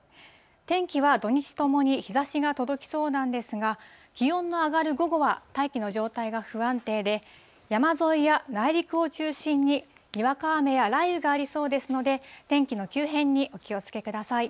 天気は土日ともに日ざしが届きそうなんですが、気温の上がる午後は、大気の状態が不安定で、山沿いや内陸を中心に、にわか雨や雷雨がありそうですので、天気の急変にお気をつけください。